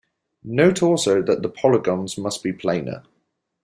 Note also that the polygons must be planar.